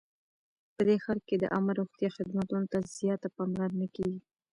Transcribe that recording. په دې ښار کې د عامه روغتیا خدمتونو ته زیاته پاملرنه کیږي